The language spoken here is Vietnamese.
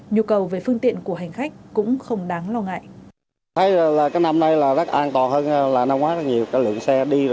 nhu cầu về phương tiện của hành khách cũng không đáng lo ngại